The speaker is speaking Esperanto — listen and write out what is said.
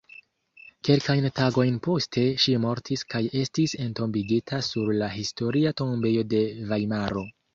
Kelkajn tagojn poste ŝi mortis kaj estis entombigita sur la Historia tombejo de Vajmaro.